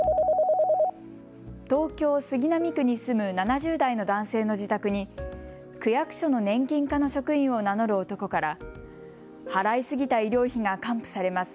東京・杉並区に住む７０代の男性の自宅に区役所の年金課の職員を名乗る男から払い過ぎた医療費が還付されます。